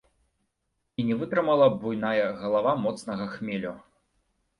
І не вытрымала буйная галава моцнага хмелю.